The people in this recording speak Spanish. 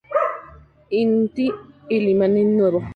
Inti-Illimani Nuevo